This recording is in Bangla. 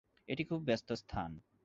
এটি খুব ব্যস্ত স্থান।